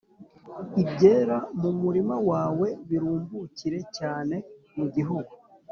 ibyera mu murima wawe birumbukire cyane+ mu gihugu